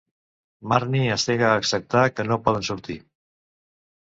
Marnie es nega a acceptar que no poden sortir.